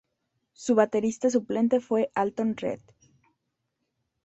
Su baterista suplente fue Alton Redd.